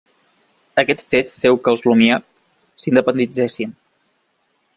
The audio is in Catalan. Aquest fet féu que els Lumière s'independitzessin.